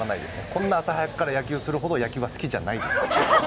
こんな朝早くから野球するほど野球は好きじゃないです。